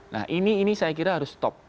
nah ini saya kira harus stop